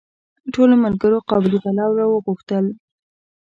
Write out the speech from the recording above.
ټولو ملګرو قابلي پلو راوغوښتل.